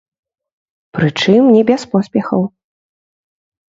Прычым не без поспехаў.